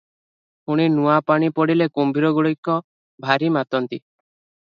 ପୁଣି ନୂଆ ପାଣି ପଡ଼ିଲେ କୁମ୍ଭୀର ଗୁଡ଼ିକ ଭାରି ମାତନ୍ତି ।